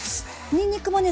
にんにくもね